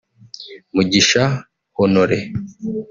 Mugisha Honoré